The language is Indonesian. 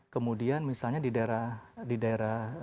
kemudian misalnya di daerah